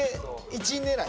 １位狙い。